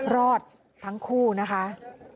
รอดทั้งคู่นะคะ